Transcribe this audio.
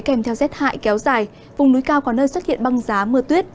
kèm theo rét hại kéo dài vùng núi cao có nơi xuất hiện băng giá mưa tuyết